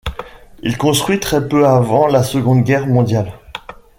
Il construit très peu avant la Seconde Guerre mondiale.